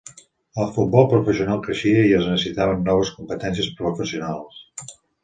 El futbol professional creixia i es necessitaven noves competències professionals.